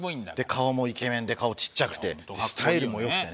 顔もイケメンで顔ちっちゃくてスタイルも良くてね。